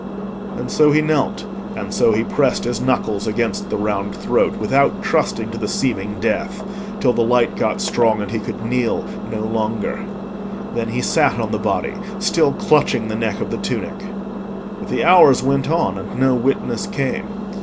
And so he knelt, and so he pressed his knuckles against the round throat, without trusting to the seeming death, till the light got strong and he could kneel no longer. Then he sat on the body, still clutching the neck of the tunic. But the hours went on, and no witness came.